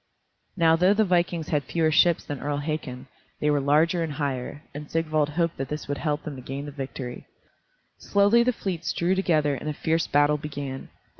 Now though the vikings had fewer ships than Earl Hakon, they were larger and higher, and Sigvald hoped that this would help them to gain the victory. Slowly the fleets drew together and a fierce battle began.